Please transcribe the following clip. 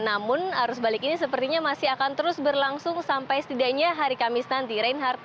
namun arus balik ini sepertinya masih akan terus berlangsung sampai setidaknya hari kamis nanti reinhardt